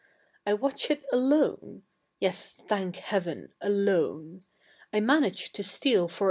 I watch it alone— yes, thank heaven, alone. I manage to steal for a?